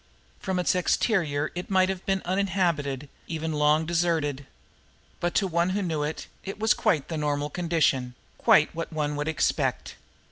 From its exterior it might have been uninhabited, even long deserted. But to one who knew, it was quite the normal condition, quite what one would expect.